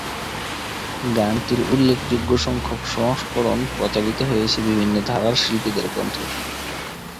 গানটির উল্লেখযোগ্য সংখ্যক সংস্করণ প্রচারিত হয়েছে বিভিন্ন ধারার শিল্পীদের কণ্ঠে।